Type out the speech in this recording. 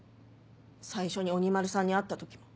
最初に鬼丸さんに会った時も。